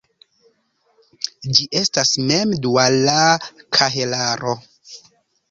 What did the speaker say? Ĝi estas mem-duala kahelaro.